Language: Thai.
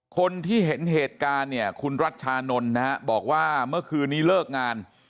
คนที่เห็นเหตุการณ์เนี่ยคุณรัชชานนท์นะฮะบอกว่าเมื่อคืนนี้เลิกงาน